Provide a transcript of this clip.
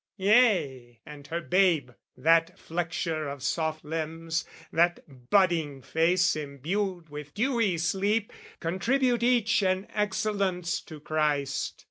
Yea and her babe that flexure of soft limbs, That budding face imbued with dewy sleep, Contribute each an excellence to Christ.